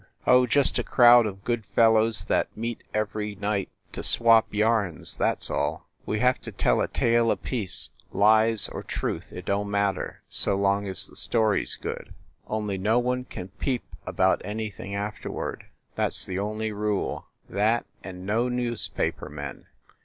"Oh, just a crowd of good fellows that meet every night to swap yarns, that s all. We have to tell a tale apiece, lies or truth, it don t matter, so long as the story s good. Only, no one can peep about any thing afterward. That s the only rule; that, and no newspaper men.